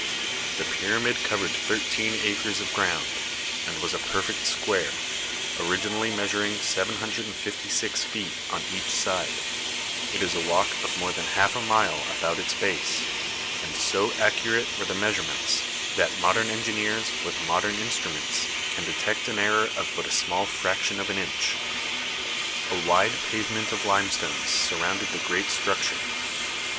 The pyramid covered thirteen acres of ground, and was a perfect square, originally measuring 756 feet on each side; it is a walk of more than half a mile about its base, and so accurate were the measurements that modern engineers with modern instruments can detect an error of but a small fraction of an inch. A wide pavement of limestone surrounded the great structure.